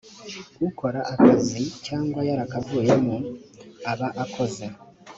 ukora akazi cyangwa yarakavuyemo aba akoze